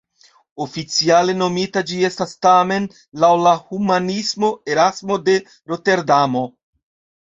Oficiale nomita ĝi estas tamen laŭ la humanisto Erasmo de Roterdamo.